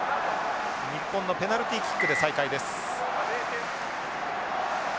日本のペナルティキックで再開です。